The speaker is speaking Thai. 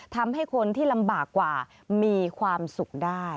ทำให้คนที่ลำบากกว่ามีความสุขได้